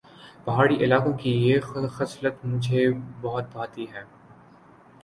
پہاڑی علاقوں کی یہ خصلت مجھے بہت بھاتی ہے